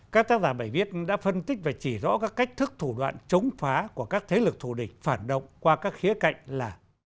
các tác giả bài viết đã phân tích và chỉ rõ các cách thức thủ đoạn chống phá của các thế lực thù địch phản động qua các khía cạnh là